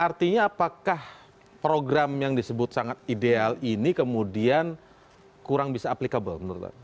artinya apakah program yang disebut sangat ideal ini kemudian kurang bisa applicable menurut anda